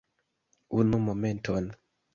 Unu momenton.